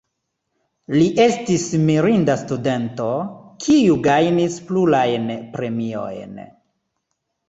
Li estis mirinda studento, kiu gajnis plurajn premiojn.